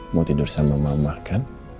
mau tidur sama mama kan